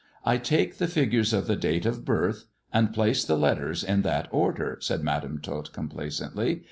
" I take the figures of the date of birth and place the letters in that order," said Madam Tot complacently.